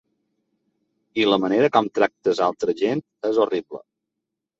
I la manera com tractes altra gent és horrible.